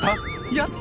やった！